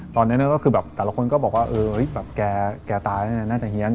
ตอนนี้ก็คือแบบแต่ละคนก็บอกว่าเออแกตายนะเนี่ยน่าจะเหี้ยง